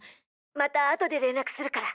また後で連絡するから！